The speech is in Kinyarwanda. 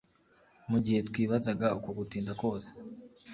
Mu gihe twibazaga uko gutinda kose